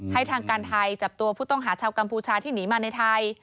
ให้ทางการไทยจับตัวผู้ต้องหาชาวกัมพูชาที่หนีมาในไทย